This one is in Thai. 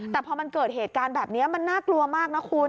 แต่พอมันเกิดเหตุการณ์แบบนี้มันน่ากลัวมากนะคุณ